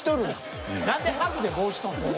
何でハグで帽子取るねん。